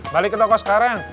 balik ke toko sekarang